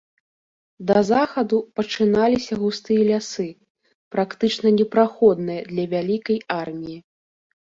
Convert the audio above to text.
Да захаду пачыналіся густыя лясы, практычна непраходныя для вялікай арміі.